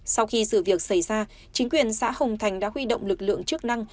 sau khi sự việc xảy ra chính quyền xã hồng thành đã huy động lực lượng chức năng